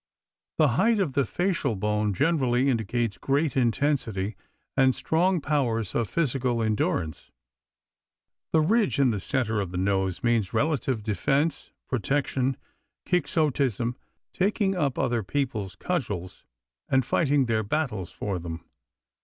The height of the facial bone generally indicates great intensity and strong powers of physical endurance. The ridge in the center of the nose means relative defense, protection, quixotism, taking up other people's cudgels and fighting their battles for them.